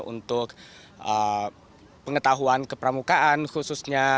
untuk pengetahuan kepramukaan khususnya